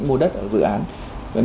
chúng ta đã định mua đất ở dự án